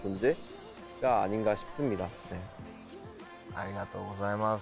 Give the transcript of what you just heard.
ありがとうございます。